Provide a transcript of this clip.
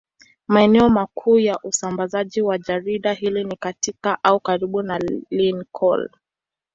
Maeneo makuu ya usambazaji wa jarida hili ni katika au karibu na Lincoln.